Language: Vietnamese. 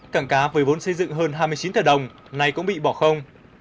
cảng cá với vốn xây dựng hơn hai mươi chín tờ đồng nay cũng bị bỏ không